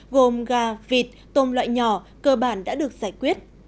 gồm gà vịt tôm loại nhỏ cơ bản đã được giải quyết